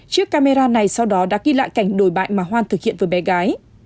chiếc camera này sau đó đã ghi lại cảnh đồi bại mà hoan thực hiện với bé gái